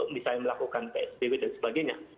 misalnya melakukan psbb dan sebagainya